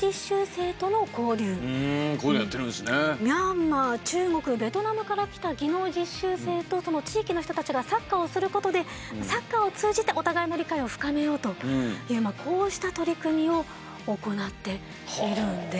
ミャンマー中国ベトナムから来た技能実習生とその地域の人たちがサッカーをすることでサッカーを通じてお互いの理解を深めようというこうした取り組みを行っているんです。